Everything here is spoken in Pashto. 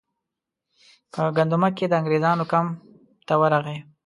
په ګندمک کې د انګریزانو کمپ ته ورغی.